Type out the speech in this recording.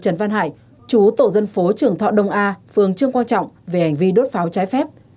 trần văn hải chú tổ dân phố trường thọ đông a phường trương quang trọng về hành vi đốt pháo trái phép